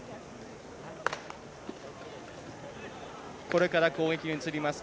これから攻撃に移ります